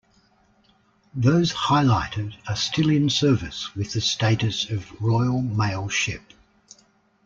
Those highlighted are still in service with the status of Royal Mail Ship.